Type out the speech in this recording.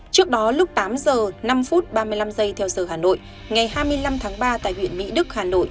trước đó lúc tám h năm phút ba mươi năm giây theo giờ hà nội ngày hai mươi năm tháng ba tại huyện mỹ đức hà nội